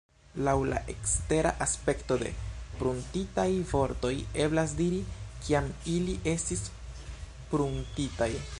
Laŭ la ekstera aspekto de pruntitaj vortoj eblas diri, kiam ili estis pruntitaj.